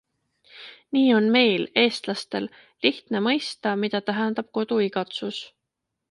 Nii on meil, eestlastel, lihtne mõista, mida tähendab koduigatsus.